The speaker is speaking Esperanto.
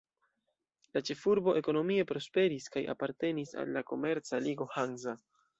La ĉefurbo ekonomie prosperis kaj apartenis al la komerca ligo Hansa.